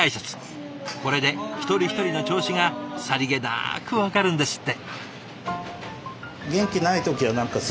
これで一人一人の調子がさりげなく分かるんですって。